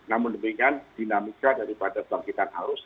namun demikian dinamika daripada bangkitan arus